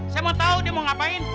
saya mau tahu dia mau ngapain